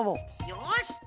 よし！